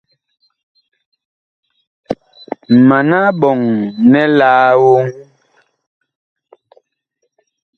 Mana ɓɔŋ nɛ laa woŋ ?